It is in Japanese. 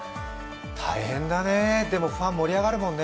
大変だね、でもファン盛り上がるもんね。